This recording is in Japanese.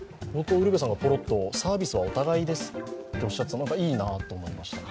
ウルヴェさんが、ポロッとサービスはお互いですとおっしゃって、いいなと思いました。